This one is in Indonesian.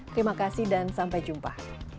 terima kasih dan sampai jumpa